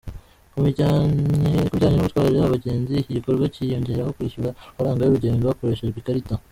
Ku bijyanye no gutwara abagenzi, iki gikorwa kiyongeraho kwishyura amafaranga y’ urugendo hakoreshejwe ikarita.